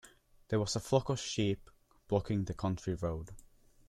There was a flock of sheep blocking the country road.